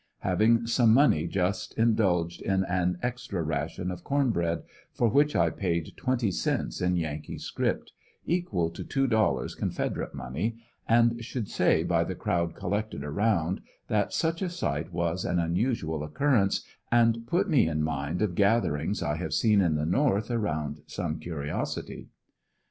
Having some money just indulged in an extra ration of corn bread for which I paid twenty cents in yankee script, equal to two dollars confederate money, and should say by the crowd collected around that such a sight was an unusual occurrence, and put me in mind of gatherings I have seen at the north around some curiosity.